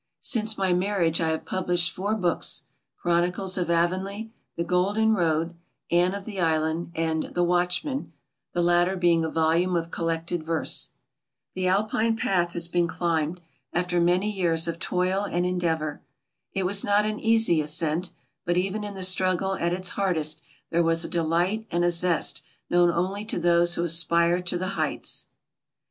Since my marriage I have published four books. Chronicles of AvonUa, The GoUen Road, Anne of The Island, and The Watchman, the latter being a volume of collected verse. The "Alpine Path" has been climbed, after many years of toil and endeavor. It was not an easy ascent, but even in the struggle at its hardest there was a delight and a zest known only to those who aspire to the heights.